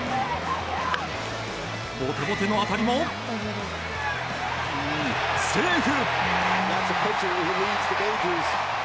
ボテボテの当たりもセーフ。